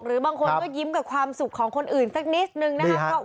บางคนก็ยิ้มกับความสุขของคนอื่นสักนิดนึงนะครับ